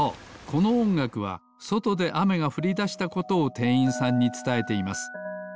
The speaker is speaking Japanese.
このおんがくはそとであめがふりだしたことをてんいんさんにつたえています。